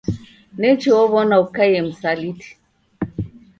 Nechi ow'ona ukaie msaliti